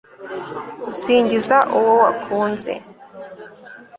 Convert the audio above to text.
Usingiza uwo wakunze